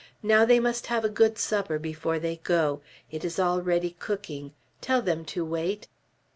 Now they must have a good supper before they go. It is already cooking. Tell them to wait."